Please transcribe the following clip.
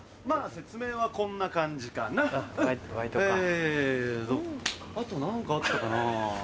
まぁ説明はこんな感じかなうんえ。